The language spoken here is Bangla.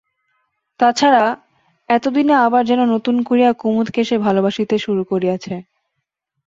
তাছাড়া, এতদিনে আবার যেন নূতন করিয়া কুমুদকে সে ভালোবাসিতে শুরু করিয়াছে।